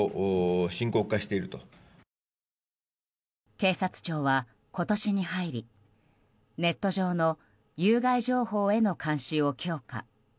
警察庁は今年に入りネット上の有害情報への監視を強化。